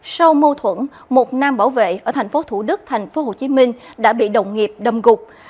sau mâu thuẫn một nam bảo vệ ở thành phố thủ đức thành phố hồ chí minh đã bị đồng nghiệp đâm gục